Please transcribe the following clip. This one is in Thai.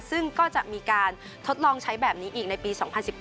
ซึ่งก็จะมีการทดลองใช้แบบนี้อีกในปี๒๐๑๙